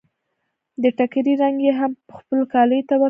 د ټکري رنګ يې هم خپلو کاليو ته ورته و.